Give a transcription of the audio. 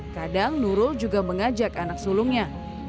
kadang nurul juga mengajak anak sulungnya